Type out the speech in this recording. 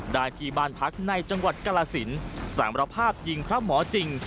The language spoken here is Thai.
ได้ที่บ้านพักในจังหวัดกรสินสารภาพยิงพระหมอจริง